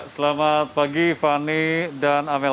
selamat pagi fani dan amel